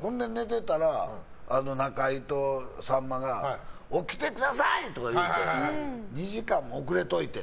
ほんで寝てたら中居とさんまが起きてくださいとか言って２時間も遅れといて。